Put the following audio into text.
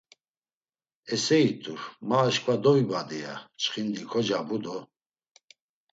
“Esse it̆ur, ma aşǩva dovibadi.” ya çxindi kocabu do.